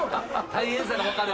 大変さがわかる。